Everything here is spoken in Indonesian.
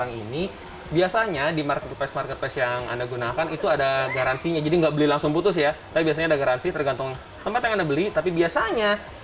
ataupun masih bisa komplain